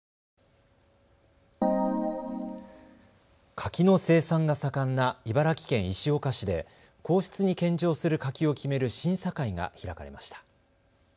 柿の生産が盛んな茨城県石岡市で皇室に献上する柿を決める審査会が開かれました。